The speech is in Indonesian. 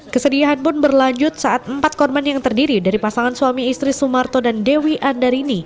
kesedihan pun berlanjut saat empat korban yang terdiri dari pasangan suami istri sumarto dan dewi andarini